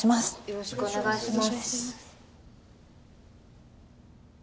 よろしくお願いします